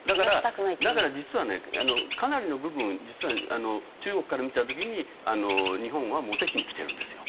だから実はねかなりの部分実は中国から見た時に日本はモテ期にきてるんですよ。